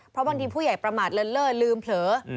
เพราะบางทีผู้ใหญ่ประมาทเลินเล่อลืมเผลอ